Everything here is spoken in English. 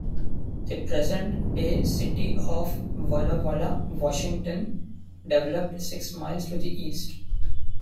The present-day city of Walla Walla, Washington developed six miles to the east.